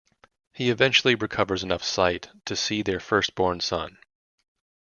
He eventually recovers enough sight to see their firstborn son.